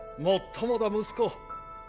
もっともだ息子。